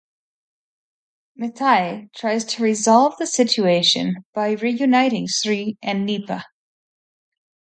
Mithai tries to resolve the situation by reuniting Sree and Nipa.